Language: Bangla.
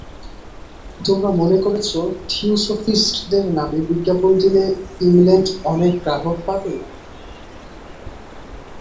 তোমরা মনে করছ, থিওসফিষ্টদের নামে বিজ্ঞাপন দিলে ইংলণ্ডে অনেক গ্রাহক পাবে।